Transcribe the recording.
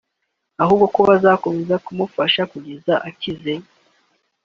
ahubwo ko bizakomeza kumufasha kugeza akize